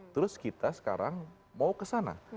terus kita sekarang mau ke sana